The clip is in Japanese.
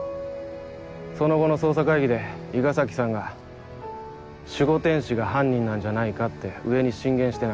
その後の捜査会議で伊賀崎さんが守護天使が犯人なんじゃないかって上に進言してな。